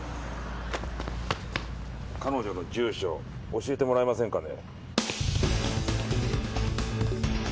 彼女の住所教えてもらえませんかね？